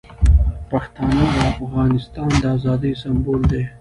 پښتانه د افغانستان د ازادۍ سمبول دي.